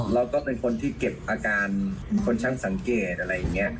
เราก็เป็นคนที่เก็บอาการคนช่างสังเกตอะไรอย่างนี้